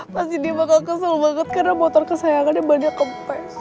pasti dia bakal kesel banget karena motor kesayangannya banyak kepes